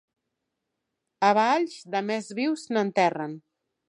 A Valls, de més vius n'enterren.